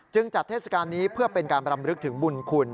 จัดเทศกาลนี้เพื่อเป็นการบรำลึกถึงบุญคุณ